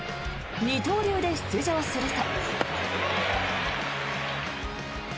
二刀流で出場すると。